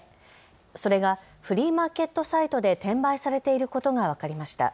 それがフリーマーケットサイトで転売されていることが分かりました。